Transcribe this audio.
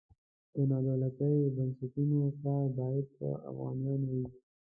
د نادولتي بنسټونو کار باید په افغانیو وي.